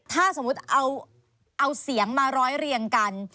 ถ้าสมมุติเอาเสียงมาร้อยเรียงกัน